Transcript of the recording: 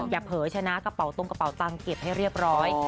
เผลอชนะกระเป๋าตรงกระเป๋าตังค์เก็บให้เรียบร้อย